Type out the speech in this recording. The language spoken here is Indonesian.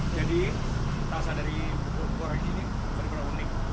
jadi rasa dari bubur goreng ini benar benar unik